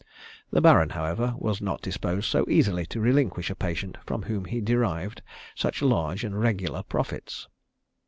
The Baron, however, was not disposed so easily to relinquish a patient from whom he derived such large and regular profits.